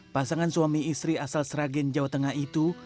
pasangan suami istri asal sragen jawa tengah itu